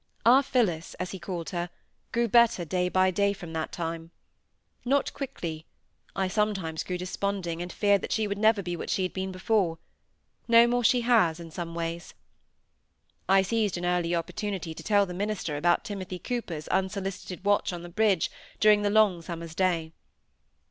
"Our Phillis," as he called her, grew better day by day from that time. Not quickly; I sometimes grew desponding, and feared that she would never be what she had been before; no more she has, in some ways. I seized an early opportunity to tell the minister about Timothy Cooper's unsolicited watch on the bridge during the long summer's day.